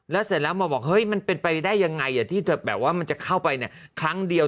แล้วเสร็จแล้วบอกมันเป็นไปได้ยังไงที่มันจะเข้าไปครั้งเดียว